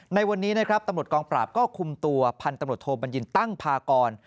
ในวันนี้นะครับตำรวจกองปราบก็คุมตัวพันธุ์ตำรวจโทบัญญินตั้งพากร